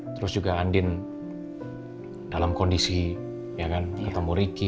terus juga andin dalam kondisi ya kan ketemu ricky